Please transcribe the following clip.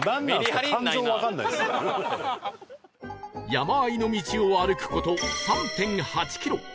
山あいの道を歩く事 ３．８ キロ